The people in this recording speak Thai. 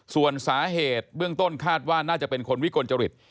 ส่วนสาเหตุเบื้องต้นคาดว่าน่าจะเป็นคนวิกลจริต